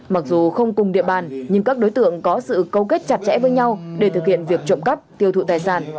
mặc dù không cùng địa bàn nhưng các đối tượng có sự câu kết chặt chẽ với nhau để thực hiện việc trộm cắp tiêu thụ tài sản